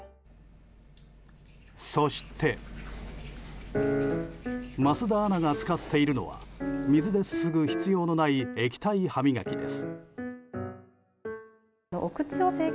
そして桝田アナが使っているのは水ですすぐ必要のない液体ハミガキです。